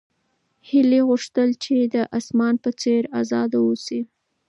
هیلې غوښتل چې د اسمان په څېر ازاده اوسي.